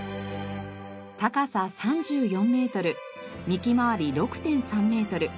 高さ３４メートル幹回り６．３メートル。